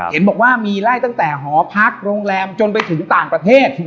เห็นบอกว่ามีไล่ตั้งแต่หอพักโรงแรมจนไปถึงต่างประเทศ